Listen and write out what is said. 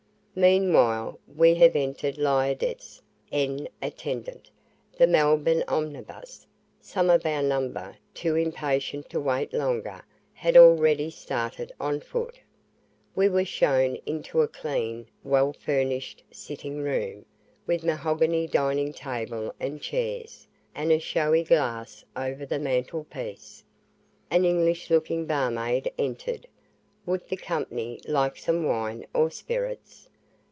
Meanwhile we have entered Liardet's EN ATTENDANT the Melbourne omnibus, some of our number, too impatient to wait longer, had already started on foot. We were shown into a clean, well furnished sitting room, with mahogany dining table and chairs, and a showy glass over the mantelpicce. An English looking barmaid entered. "Would the company like some wine or spirits?"